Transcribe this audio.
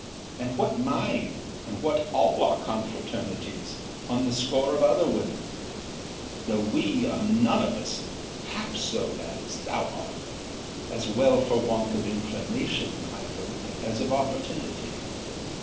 and what mine, and what all our confraternity's, on the score of other women: though we are none of us half so bad as thou art, as well for want of inclination, I hope, as of opportunity!